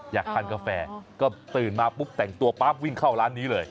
อยากทานกาแฟก็ตื่นมาปุ๊บแต่งตัวปั๊บวิ่งเข้าร้านนี้เลย